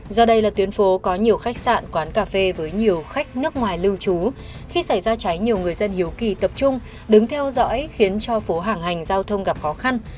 do đây là tuyến phố có nhiều khách sạn quán cà phê với nhiều khách nước ngoài lưu trú khi xảy ra cháy nhiều người dân hiếu kỳ tập trung đứng theo dõi khiến cho phố hàng hành giao thông gặp khó khăn